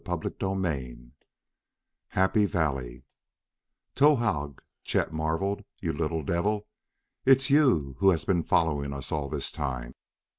CHAPTER XIII Happy Valley "Towahg!" Chet marveled; "you little devil! It's you who has been following us all this time!"